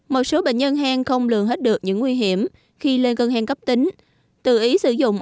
một số bệnh nhân hen không lường hết được những nguy hiểm khi lên cơn hen cấp tính tự ý sử dụng